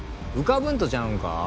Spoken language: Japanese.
浮かぶんとちゃうんか？